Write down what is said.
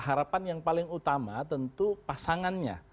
harapan yang paling utama tentu pasangannya